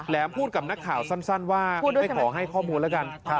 พูดกับนักข่าวสั้นว่าไม่ขอให้ข้อมูลแล้วกัน